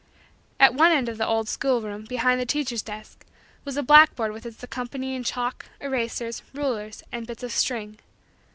At one end of the old schoolroom, behind the teacher's desk, was a blackboard with its accompanying chalk, erasers, rulers, and bits of string.